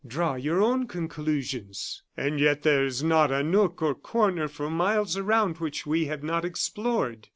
Draw your own conclusions." "And yet there is not a nook or corner for miles around which we have not explored."